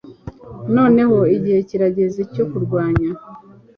Noneho igihe kirageze cyo kurwanya